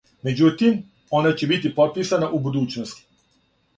Међутим, она ће бити потписана у будућности.